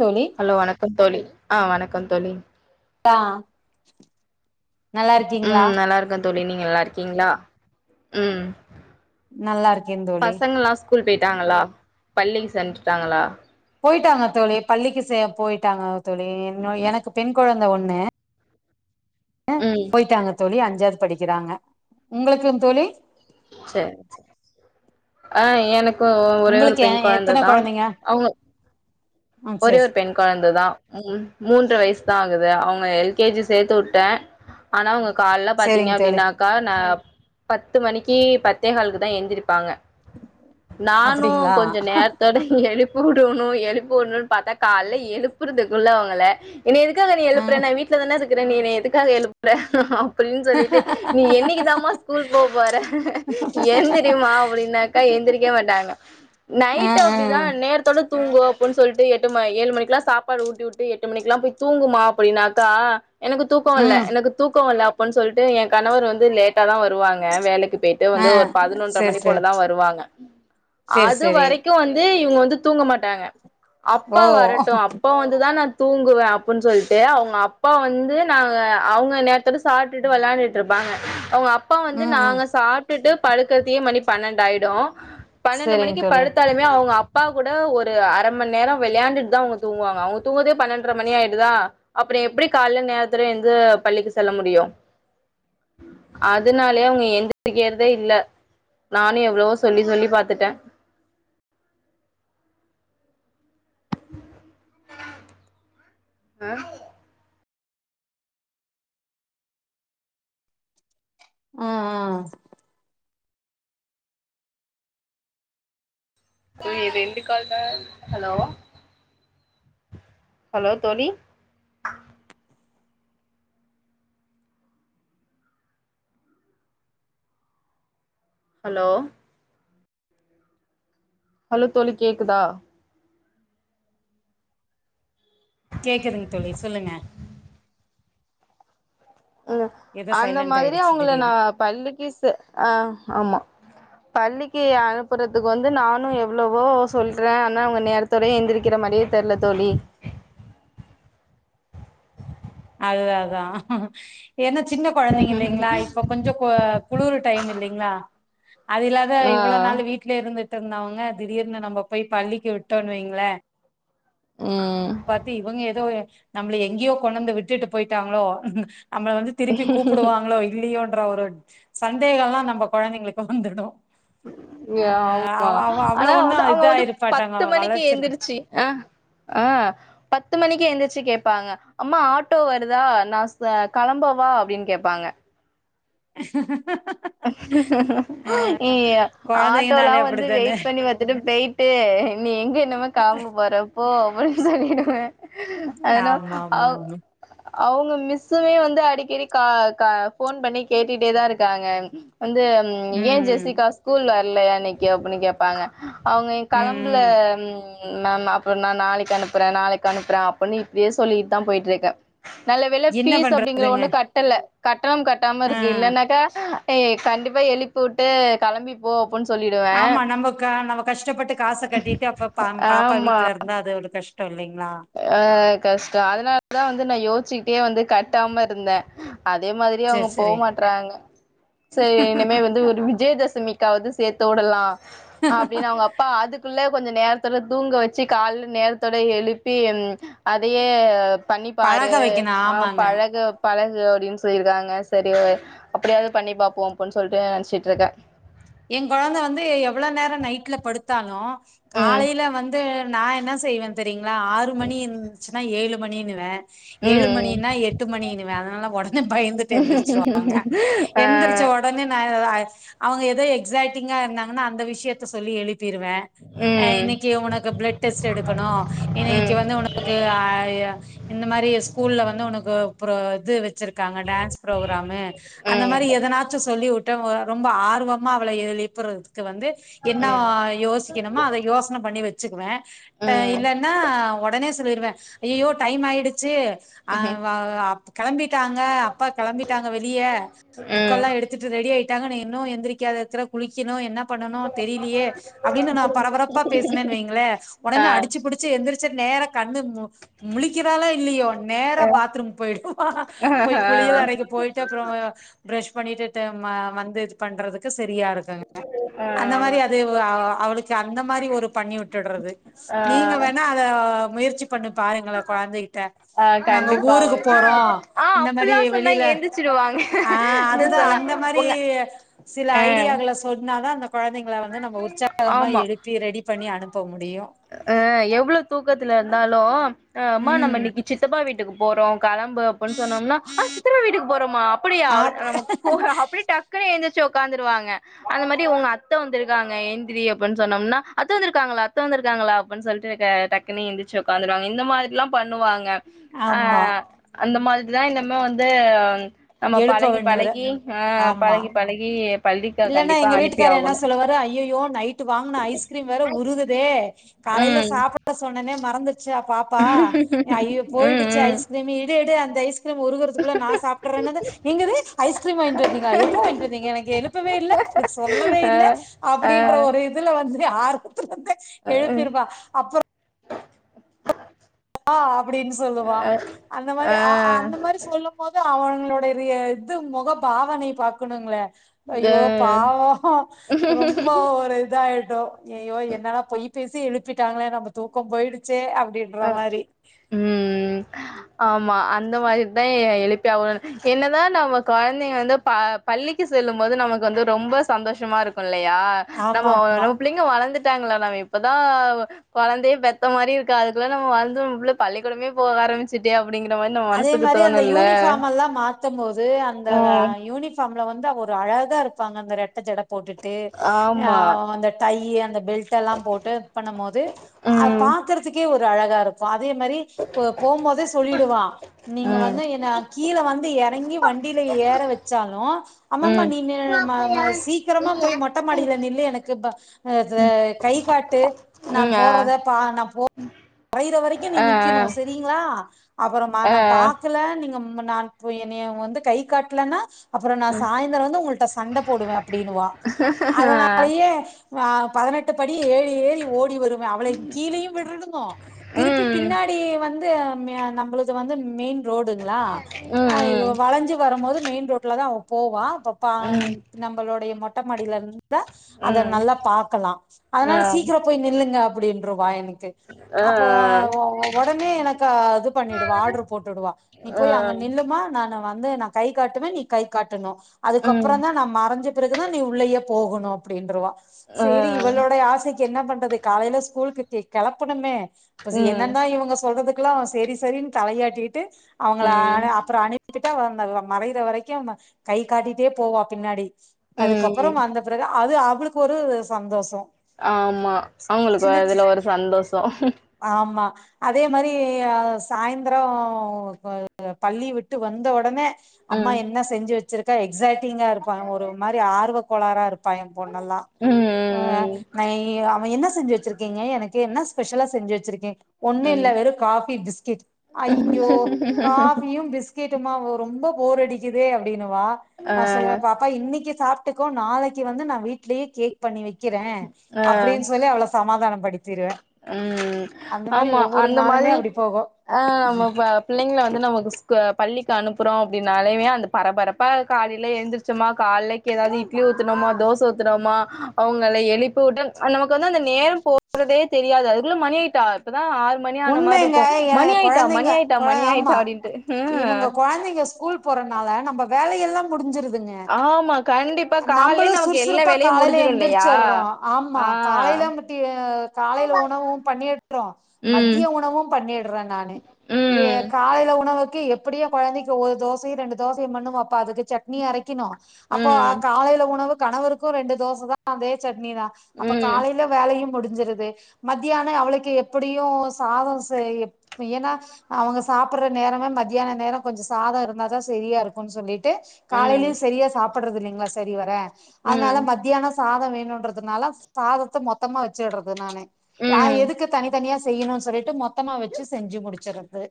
தோழி ஹலோ வணக்கம் தோழி ஆ வணக்கம் தோழி ஆ நல்லா இருக்கீங்களா ம் நல்லாருக்க தோழி நீங்க நல்லாருக் கீங்ளா? ம் நல்லாருக்கே தோழி கூல் போயிட்டாங்களா? பள்ளி சென்றுட்டாங்களா? போயிட்டாங்க தோழி பள்ளிக்கு செ போயிட்டாங்க தோழி இன்னு எனக்கு பெண் கொழந்த ஒன் னு ம் போயிட்டாங்க தோழி அஞ்சாது படிக்கிறாங்க உங்ளுக்கு தோழி சேர் சேர் ஆ எனக் கு ஒரே ஒரு உங்களுக்கு எ பெண் எத்தன கொழந்த தா கொழந்தைங்க அவுங்க ஆ ஒரே சேரி ஒரு பெண் கொழந்ததா ம் மூன்ற வயசு தா ஆ குது அவங்க எல் கே ஜி சேத்து விட்டே ஆனா அவங்க கால்ல பாத்தீங்க சேரிங்க தோழி அப்டின்னாக்கா நா பத் த்து மணிக்கு பத்தே காலு தா எந்திரிப்பாங்க நானு அப்டிங்களா கொஞ்ச நேரத்தோட எழுப் ஊடுணு எழுப்பிவுட்ணு பாத்தா கால்ல எழுப்புறதுக்குள்ளவங்கள என்ன எதுக்காக நீ ஆ எழுப்புற ந் வீட்டுல தான இருக் குர நீ என்ன எதுக்காக எழுப்புற அப்டின்னு சொல்லிட்டு நீ என்னைக்கு தாமா ஸ்கூலுக்கு போ போற எந்தரிமா அப்டின்னாக்கா எந்திரிக் ய்ய மாட்டாங்க ஆ நைட் ஆ அப்டிதா நேரத்தோட தூங்குவ உனு சொல்லிட்டு எட் எட்டு ஏழு மணிக்க எல்லா சாப்பாடு ஊட்டி விட்டு எட்டு மணிக்குலா போய் தூங்குமா அப்டின்னாக்கா எனக்கு தூக்க வல்ல ம் எனக்கு தூக்கோ வல்ல பன் சொல்லிட்டு எ கணவர் வந்து லேட்டா தா வருவாங்க வேலைக்கு போயட்டு ஆ வந்து ஒரு பதினொன்ற சேரி மணி சேரி போலதா வருவாங்க சேரி அது சேரி வரைக்கு வந்து இவங்க வந்து தூங்க மாட்டாங்க ஓ அப்பா வரட்டு அப்பா வந்துதா நா தூங்குவே அப்புன்னு சொல்லிட்டு அவுங்க அப்பா வந்து நாங்க அவுங்க நேரத்தோட சாப்ட்டுட்டு விளாண்டுட்டு இருப்பாங்க அவுங்க அப் ப்பா வந்து ம் ம் நாங்க சாப் ட்டுட்டு படுக்கத்தயே மணி பன்னெண்டு ஆயிடு பன்னெண்டு சேரிங்க மணிக்கு தோழி படுத்தாலுமே அவுங்க அப் அப்பா கூட ஒரு அர மணி நேரம் விளையாண்டுட்டு தா அவுங்க தூங்குவாங்க அவங்க தூங்கத பன்னெண்ர மணி ஆயிடுதா அப்றோ எப்டி காலைல நேரத்துல இருந்து பள்ளிக்கு செல்ல முடியு அதனாலயே அவுங்க எந்திக்கிறதே இல்ல நானு எவ்ளவோ சொல்லி சொல்லி பாத்துட்டே [inaudible] ஆ உ உ [unintelligible] ரெண்டு கால்ல ஹலோ ஹலோ தோலி ஹலோ ஹலோ தோலி கேக்குதா கேக்குதுங்க தோலி சொல்லுங்க உ ஏதோ அந்த சைலண்ட் மாதிரி ஆயிடுச்சு அவுங்கள நா திடீர்னு பள்ளிக்கு செ ஆ ஆமா பள்ளிக்கு அனுப்புறதுக்கு வந்து நானு எவ்வளவோ சொல்றே ஆனா அவுங்க நேரத்தோட எந்திரிக்கிற மாரியே தெரில தோலி து அதான் ஏன்னா சின்ன கொழந்தைங்க இல்லிங்களா இப்ப கொஞ்ச குளுரு டைம் இல்லங்ளா அது இல்லாத ஆ இவ்ளோ நாள் வீட்ல இருந்து விட்டு இருந்தாவுங்க திடீர்னு நம்ம போய் பள்ளிக்கு விட்டோன் வைங்களே ம் பாத்து இவங்க எதோ நம்மள எங்கியோ கொண்டு வந்து விட்டுட்டு போயிட்டாங்களோ நம்ள வந்து திருப்பி கூப்டுவாங்களோ இல்லியோ அப்ற ஒரு சந்தேகம் எல்லா நம்ம கொழந்தைங்களுக்கு வந்துரும் ஆமா அவ்ளோ ஆனா ஒண்ணு வந்து அவுங்க இதா வந்து இருப்பாட்டாங்க பத்து மணிக்கு வளர்ச்சிருக்கு எந்திரிச்சு அ ஆ பத்து மணிக்கு எழுந்திரிச்சு கேட்பாங்க அம்மா ஆட்டோ வருதா நா கெளம்பவா அப்டின் கேப்பாங்க [inaudible] ஏய் ஆட்டோல்லா கொழந்தைங்கனாலே வந்து அப்படித்தானே வெயிட் பண்ணி பாத்துட்டு போயிட்டு நீ எங்க இன்னிமே நீ கெளம்பபோறப் போ சொல்லிடுவேன் ஆமா மா மா அவுங்க மிஸ்சுமே வந்து அடிக்கடி கா கா ஃபோன் பண்ணி கேட்டுட்டே தா இருக்காங்க ம் வந்து ஏ ம் ஜெசிகா ஸ்கூல் வர் லயா இன்னக்கி அப்டின்னு கேப்பாங்க அவுங்க எங் ம் கெளம்பில ம் ம் அப்ற நா நாளக்கி அனுப்பறேன் நாளக்கி அனுப்புறே அப்டின்னு இப்டியே சொல்லிட்டு தா போயிட்டுருக்கே நல்ல வேல என்ன பீஸ் அப்டிங்ற பண்றதுங்க ஒன்னு கட்டல கட்டணம் கட்டாம ஆ இருக்கு இல்லனாக்கா கண்டிப்பா எழுப்பி உட்டு கெளம்பி போ அப்புன்னு சொல்லிடுவே ஆமா நம்ம நம்ம கஷ்டப்பட்டு காச கட்டிட்டு அப்ப பாப்பா ஆமா வீட்ல இருந்தா அது ஒரு கஷ் டேலங் ஆ கஷ்டம் அதுனாலதா வந் நா யோசிச்சுட்டே வந்து கட்டாம இருந்தேன் அதே மாரி சேர் அவுங்க போ சேரி மாட்றாங்க சரி இனிமே வந்து ஒரு விஜயதசமி காவுது சேத்து உடலாம் அப்டின்னு அவுங்க அப்பா அதுக்குள்ள கொஞ்ச நேரத்தோட தூங்க வச்சு கால்ல நேரத்தோட எழுப் பி என் அதயே பண்ணி பாரு பழக வைக்கணு ஆ ஆமாங்க பழக பழகு அப்டின்னு சொல்லியிருக்காங்க சரி அப்டியாவது பண்ணி பாப்போ அப்டின்னு சொல்லிட்டு நெனச்சிட்டு இருக்கே எ கொழந்த வந்து எவ்ள நேரோ நைட்ல படுத்தாலு ம் காலையில வந்து நா என்ன செய்வே தெரியங்களா ஆறு மணி இருந்துச்சுன்னா ஏழு மணினுவே ஏழு ம் மணினா எட்டு மணிணுவே அதனால உடனே பயந்துட்டு எழுந்திரிச்சிரூவாங்க ம் ஆ எந்திரிச்ச உடனே நா அவுங்க எப் து எக்ஸைட்டிங்கா இருந்தாங்கன்னா அந்த விஷயத்த சொல்லி எழுப் ப்பிருவே ஆ ம் இன்னக்கி உனக்கு பிளட் டெஸ்ட் எடுக்கணு இன்னக்கி ம் வந்து உனக்கு ஆ இந்த மாரி ஸ்கூல்ல வந்து உனக்கு அப்ற இது வச்சு வச்சி இருக்காங்க டான்ஸ் பு்ரோக்ராமு அந்த மாரி ம் எதனாச்சு சொல்லி வுட் [unintelligible] ரொம்ப ஆர்வம் மா அவள எழுப்புறது வந்து என்ன ம் யோசிக்கணுமா அத யோசன பண்ணி வச் ச்சுக்குவே ம் இல்லன்னா ஒடனே சொல்லிருவே ஐயய்யோ டைம் ஆயிடுச்சு ம் கெளம்பி ட்டாங்க அப்பா களம்பிட்டாங்க வெளியே புக்க ம் எல்லா எடுத்துட்டு ரெடி ஆயி டாங்க நீ இன்னோ எந்திரிக் க்காத எத்தல குளிக்கணு என்ன பண்ணனு தெரிலியே அப்டின்னு நா பரபரப்பா பேசுனேனு வைங்களே ஆ ஒடனே அடிச்சு பிடிச்சு எந்திரச்ச நேர கண்ணு முழிக்கிறாலா இல்லயோ நேர ஆ பாத்ரூம் போயிடுவா போய் ஆ குளியில் அறைக்கு போயட்டு அப்புறோ பிரஷ் பண்ணிட்டு து மா வந்து இது பண்றது சரியா இருக்குங்க அந்த மாரி அது அவளுக்கு அந்த மாரி ஒரு பண்ணி விட்டுட்றது நீங்க ஆ வேணா அத முயற்சி பண்ணி பாருங்கள குழந்தைகிட்ட ஆ நாங்க கண்டிப்பா ஊருக்கு போறோ ஆ இந்த மாரி அப்பல்லா சொன்னா வெளில எந்திச்சிடுவாங்க ஆ இந்த அதுதா சொன்னா அந்த மாரி உங்க சில ஆ ஐடியாகல சொன்ன நாதா அந்த குழந்தைங்க வந்து நம்ம உற்சாகமா ஆமா எழுப்பி ரெடி பண்ணி அனுப்ப முடியு தாலு அ அம்மா நாம ம் இன்னிக்கு சித்தப்பா வீட்டுக்கு போறோ கலம்பு அப்டின்னு சொன்னோம்னா அ சித்ரா வீட்டுக்கு போறோமா அப்டியா ஆ அ போகலா அப்டி டக்குனு எந்துருச்சி வொக்கா வொக்காந்துருவாங்க அந்த மாரி உங்க அத் அத்த வந்திருக்காங்க எந்திரி அப்டின்னு சொன்னோம்னா அத்த வந்திருக்காங்களா அத்த வந்திருக்காங்களா அப்டின்னு சொல்லிட்டு என டக்குன்னு எந்திரச்சு வொக்காந்துருவாங்க இந்த மாரி எல்லா பண்ணுவாங்க அ ஆமா அந்த மாரி இதா இன்னமே வந்து நம்ம எழுப்ப பழகி வேணுற பழகி ஆ ஆமா பழகி பழகி பள்ளிக்கு கண்டிப்பா அனுப்பி ஆகணு இதுல வர்ற ஐயோயோ நைட்டு வாங்குன ஐஸ்கிரீம் வேற உருகுதே காலையில ம் சாப்பிட சொன்ன எனே மறந்துட் ச்சா பாப்பா ஐயோ ம் போயிடுச்சு ம் ஐஸ்கிரீம் எடு எடு அந் தைஸ் இது உருகிறதுக்குள்ள நா சாப்பிறனது என்னாது ஐஸ்கிரீம் வாங்கிட்டு வந்தீங்க எப்போ வாங்கிட்டு வந்தீங்க எனக் வே இல்ல அத சொல்லவே அ இல்ல அ அப்டின்ற ஒரு இதுல வந் இதுலே ஆர் எழுப்பிருபா அப்பறம் ஆ அப்புடின் சொல்லுவா அந்த மாரி அ அஅ அந்த மாரி சொல்லு போது அவுங்களுடையது இது முக பாவனை பாக்கணுங்குளே ஐயோ பாவ ரொம்ப ஒரு இதாயி யோ ஐயயோ என்னன்னா பொய் பேசி எழுப்பிட்டாங்களே நம்ம தூக்க போயிருச்சே அப்டின்ற அ மாரி ம் ஆமா அந்த மாரிதா எ எழுப்பி என்னதா நம்ம கொழந்தைங்க வந்து ப பள்ளிக்கு செல்லு போது நமக்கு வந்து ரொம்ப சந்தோஷமா இருக்கு பில்லையா நம்ம ஆமா ஆமா நம்ம பிள்ளைங்க வளந்துட் [unintelligible] இப்பதா கொழந்தையே பெத்த மாரி இருக் இப்பெல்லா நம்ம வந்து பள்ளிக்கூடமே போக ஆரம்பச்சிட்டேப் அதே மாரி அந்த யூனிஃபார்ம் எல்லா மாத்த போது அந்த ம் யூனிஃபார்ம் வந்து அவ ஒரு அழகா இருப்பாங்க அந்த ரெட்ட ஜடத் போட்டுட்டு ஆமா அந்த டைய்யி பெல்ட் எல்லாம் போட்டு இன் பண்ணு போது ம் பாக்குறதுக்கே ஒரு அழகா இருக்கும் அதே மாரி போபோதே சொல்லிடுவா நீங்க ம் வந்து என்ன கீழ வந்து இறங்கி வண்டில ஏற வச்சாலும் ஆமாமமா ம் நீங்க ம ம சீக்கிரமா போய் மொட்ட மாடியில நில்லு எனக்கு பா கை காட்டு நான் ம் ஆ போறதே பா நா போ மறையிர வரைக்கும் நீ ஆ நிக்கனும் செரிங்களா அப்புறம் ஆ ஆ நா பாக்கல நீங்க நா போய் என்னைய வந்து கை காட்டலன்னா அப்புறம் நா ஆ சாயந்தரம் வந்து உங்கள்ட்ட சண்ட போடுவேன் அப்பிடின்னுவா அதனாலேயே பதினெட்டு படி ஏழு ஏறி ஓடி வரும் அவள கீழயும் விடுனுங்கும் திருப்பி பின்னாடி வந்து நம்பளுக் இது வந்து மெயின் ரோடுங்களா வளஞ்சி வருபோது மெயின் ரோட்ல தான் போவா பாப்பா நம்பளோடைய மொ ட்ட மாடியில இருந் தா அத நல்லா பாக்கலாம் அதனால சீக்கிரம் போய் நில்லுங்க அப்படின்று வா எனக் அப்போ ஒ உடனே எனக்கு அது பண்ணி இவ ஆர்டர் போட்டு உடுவா நீ போய் அங்க நில்லுமா நான்னு வ ந்து நான் கை காட்டுவேன் நீ கை காட்டணும் அதுக்கப்புறம் தான் நான் மறைஞ்சு பி றகு நீ உள்ளேயே போகணும் அப்படின்றவா சேரி இவளோட ஆசைக்கு என்ன பண் அது காலையில ஸ்கூல்க்கித்தி கெளப்பணுமே பசி என்னந்தா இவுங்க சொல்றது குலாம் செரி செரின் தலையாட்டிட் டு அவுங்கள அ அப்புறம் அனுப் த்துட்டா வந்தலா மறையிற வரைக்கும் நம்ம கை காட்டிட்டே போவா பின்னாடி அதுக்கப்புறம் வந்த பிறகு அது ஆ அவுளுக்கு ஒரு சந்தோஷம் ஆமா அவங்களுக்கு அதுல ஒரு சந்தோஷம் ஆமா அதே மாரி சாயந்தரம் ப பள்ளி விட்டு வந்த ஒடனே அம்மா ம் என்ன செஞ்சி வச் சிருக்கா எக்ஸாட்டிங்கா இருப்பாங்க ஒரு மாரி ஆர்வ கோளாரா இரு பைய பொண்ணல்லாம் ம் நா எ அவன் என்ன செஞ்சி வச்சிருக்கீங்க எனக்கு என்ன ஸ்பெஷலா செஞ்சி வச்சிருக்கீங் ஒண்ணும் இல்ல ம் ம் வெறும் காபி பிஸ்கேட் ஐயோ காஃபியும் பிஸ்கே ட்டுமா ரொம்ப போர் அடிக்குதே அப்டின்னுவா நா சொல்லுவே ஆ பாப்பா இன்னைக்கு சாப் ட்டுக்கோ நாளைக்கு வந்து நான் வீட்லேயே கேக் பண்ணி வைக் கிறே ஆ அப்டின் சொல்லி அவள சமாதான ம் மாரி ஆமா ஒவ்வொரு அந்த நாளுமே மாதிரி அப்டி போகு ஆ ஆ நம்ம ப பிள்ளைங்கள வந்து நமக்கு ஸ்கூ பள்ளிக்கு அனுப்புறோம் அப்டின்னாலுமே அந்த பரபரப்பா காலில எழுந்திரிச்சோமா காலக்கி எதாவது இட்லி ஊத்தனமா தோச ஊத்தனமா அவுங்கள எழுப்ப வுட்டு நமக்கு வந்து அந்த நேரம் போ றதே தெரியாது அதுக்குள்ள மணியாய்ட்டா உண்மைங்க எ ஆயிட்டா மணி கொழந்தைங்க ஆயிட்டா கொழ மணி ஆயிட்டா ஆமா அப்டின்ட்டு ம் இவுங்க கொழந்தைங்க ஸ்கூல் போறனால நம்ப வேலைகள்லாம் முடிஞ்சிரு துன்ன ஆமா கண்டிப்பா கால்லே நம்பளும் நமக்கு எல்லா சுறுசுறுப்பா வேலையு காலையில முடிஞ்சிடு இல்லையா எந்திரிச்சுறோம் ஆமா ஆ காலையில மட்டி காலையில உணவும் பண்ணிடுறோம் ம் மத்திய உணவும் பண்ணிடற நானு ஏ ம் காலைல உணவு க்கு எப்டியோ கொழந்தைக்கு ஒரு தோசையும் ரெண்டு தோசை பண்ணுவா அப்ப அதுக்கு சட்னி அரைக் கினு அப்போ ஆ ம் காலேல உணவு கணவருக்கும் ரெண்டு தோசை தான் அதே சட் னி தா அப்ப ம் காலேல வேலையு முடிச் செஞ்சரது மத்தியான அவளுக்கு எப்புடி யும் சாதம் செய் ஏன்னா அவுங்க சாப்பற நேரமே மத்தியான நேரம் கொஞ்ச சாதம் இருந்தாதான் சரியா இருக்குன் சொல்லி டு ம் காலேலயும் சரியா சாப் படுறது இல்லைங்ளா சரி வர ம் அதுனால மத்தியானோம் சாதம் வேணுன்றதுனால சாதத்த மொத்தமா வச்சுடுறது நானு நா ம் எதுக்கு தனித்தனியா செய்யணுன் சொல்லிட்டு மொத்தமா வச்சு செஞ்சு முடிச்சுறது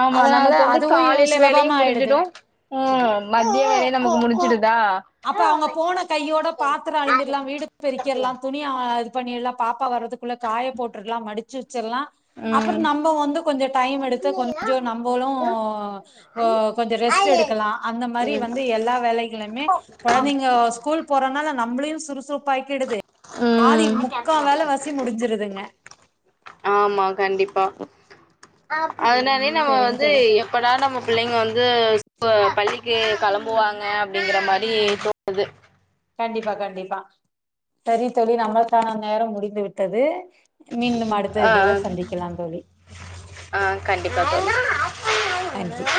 ஆமா நமக்கு வந்து காலேல வேலையும் ஆயிடுது முடிஞ்சிடும் ம் மதியோம் வேலையு நமக்கு முடிஞ்சுடு அப்ப அவுங்க போன கையோட பாத்திரம் அழம்பிர்லாம் வீடு பெருக்கிறலாம் துணி பண்ணிடலாம் பாப்பா வர்றது குள்ள காய போட்டுல்லாம் மடிச் சலாம் அப்ற ம் நம்ம வந்து கொஞ்ச டைம் எடுத்து கொஞ்ச நம்மளும் கொஞ்ச ரெஸ்ட் எடுக்கலாம் அந்த மாரி ம் வந்து எல்லா வேலைகளுமே குழந்தைங்க ஸ்கூல் போறனால நம்பளயும் சுறுசுப் பாக்கிடுது பாதி ம் முக்கா வேலை வாசி முடிஞ்சுருதுங்க ஆப் அதுனாலே நம்ம வந்து எப்படா நம்ம புள்ளைங்க வந்து பள்ளிக்கு கெளம்புவாங்க அப்டிங்கிற மாரி தோணுது கண்டிப்பா கண்டிப்பா சரி தோழி நம்மளுக்கான நேரம் முடிந்து விட்டது மீண்டும் அடுத்த ஆ இதுல ஆ சந்திக்கலாம் தோழி ஆ கண்டிப்பா நன்றி தோழி